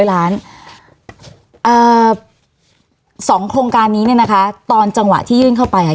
สองโครงการนี้เนี่ยนะคะตอนจังหวะที่ยื่นเข้าไปอ่ะ